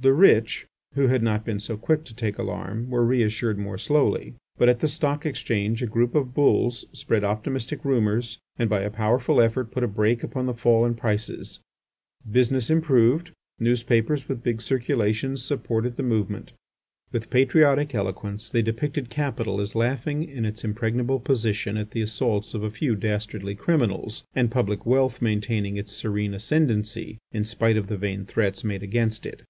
The rich, who had not been so quick to take alarm, were reassured more slowly. But at the Stock Exchange a group of "bulls" spread optimistic rumours and by a powerful effort put a brake upon the fall in prices. Business improved. Newspapers with big circulations supported the movement. With patriotic eloquence they depicted capital as laughing in its impregnable position at the assaults of a few dastardly criminals, and public wealth maintaining its serene ascendency in spite of the vain threats made against it.